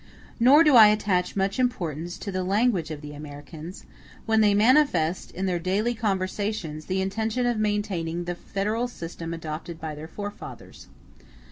Nor do I attach much importance to the language of the Americans, when they manifest, in their daily conversations, the intention of maintaining the federal system adopted by their forefathers.